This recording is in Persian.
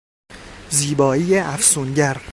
زیبایی افسونگر